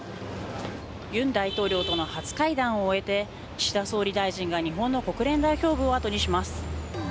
尹大統領との初会談を終えて岸田総理大臣が日本の国連代表部をあとにします。